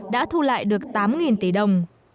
đã thu lại được tám tỷ đồng